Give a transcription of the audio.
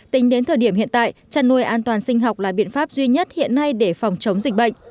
tính đến thời điểm hiện tại chăn nuôi an toàn sinh học là biện pháp duy nhất hiện nay để phòng chống dịch bệnh